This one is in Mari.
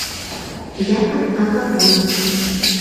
Якын Агапон